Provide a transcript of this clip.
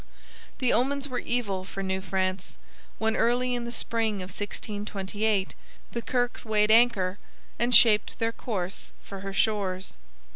The omens were evil for New France when, early in the spring of 1628, the Kirkes weighed anchor and shaped their course for her shores.